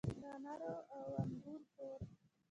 د انار او انګور کور.